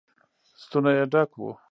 ستونی يې ډک و.